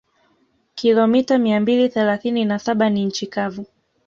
Kilomita mia mbili thelathini na saba ni nchi kavu